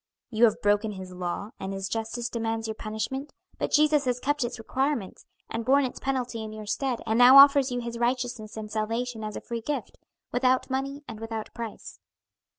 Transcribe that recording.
"You have broken His law, and His justice demands your punishment; but Jesus has kept its requirements, and borne its penalty in your stead, and now offers you his righteousness and salvation as a free gift, 'without money and without price.'"